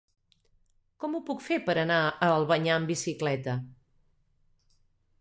Com ho puc fer per anar a Albanyà amb bicicleta?